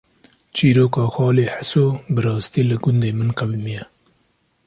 Çîroka “Xalê Heso” bi rastî li gundê min qewîmiye